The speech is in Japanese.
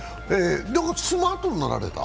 スマートになられた？